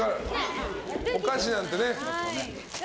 お菓子なんてね